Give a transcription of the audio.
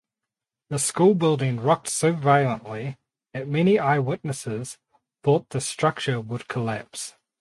The school building rocked so violently that many eyewitnesses thought the structure would collapse.